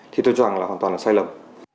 thì tôi cho rằng là hoàn toàn là sai lầm